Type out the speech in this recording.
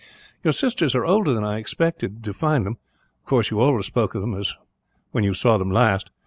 "Your sisters are older than I expected to find them. Of course, you always spoke of them as when you saw them last.